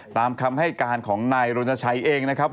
ตามคำให้การของนายรณชัยเองนะครับ